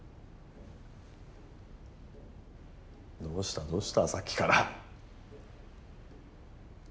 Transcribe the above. どうしたどうしたさっきから。